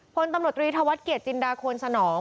ผลตำรวจรีธวรรษเกียจจินดาควนสนอง